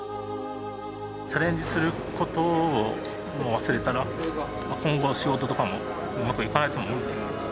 チャレンジすることを忘れたら今後仕事とかもうまくいかないと思うんで。